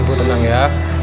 ibu tenang ya